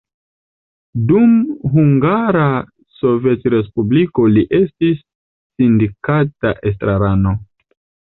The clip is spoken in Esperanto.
Dum Hungara Sovetrespubliko li estis sindikata estrarano.